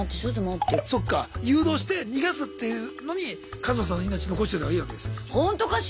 そっか誘導して逃がすっていうのにカズマさんの命残しといたほうがいいわけですよ。